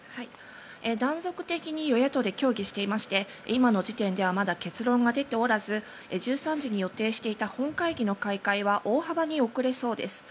断続的に与野党で協議していまして今の時点ではまだ結論が出ておらず１３時に予定していた本会議の開会は大幅に遅れそうです。